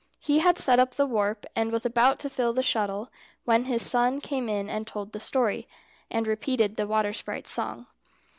He had set up the warp, and was about to fill the shuttle, when his son came in and told the story, and repeated the water sprite's song.